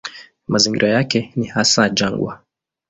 Mazingira yake ni hasa jangwa.